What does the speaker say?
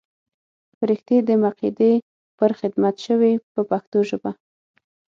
فرښتې دې مقیدې پر خدمت شوې په پښتو ژبه.